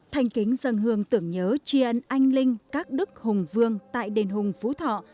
thành kính dân hương tưởng nhớ tri ân anh linh các đức hùng vương tại đền hùng phú thọ